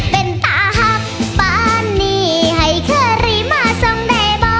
เป็นตาหักบ้านนี้ให้เค้ารีมมาส่งได้บ่